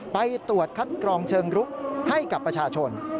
ไปตรวจคัดกรองเชิงรุกให้กับประชาชน